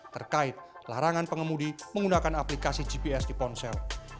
terkait larangan pengemudi menggunakan aplikasi gps di ponsel